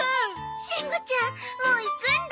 しん五ちゃんもう行くんだ。